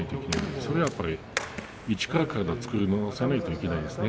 それはやっぱり一から体を作り直さないといけないですね。